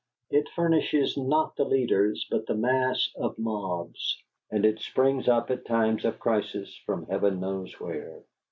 It furnishes not the leaders but the mass of mobs; and it springs up at times of crisis from Heaven knows where.